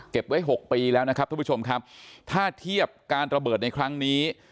ไว้หกปีแล้วนะครับทุกผู้ชมครับถ้าเทียบการระเบิดในครั้งนี้